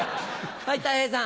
はいたい平さん。